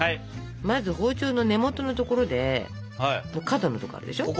まず包丁の根元の所で角の所あるでしょ？